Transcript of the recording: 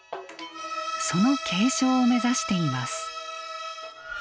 その継承を目指しています。